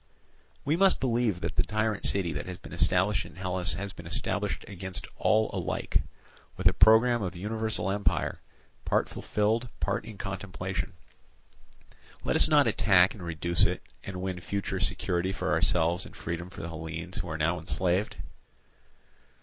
We must believe that the tyrant city that has been established in Hellas has been established against all alike, with a programme of universal empire, part fulfilled, part in contemplation; let us then attack and reduce it, and win future security for ourselves and freedom for the Hellenes who are now enslaved."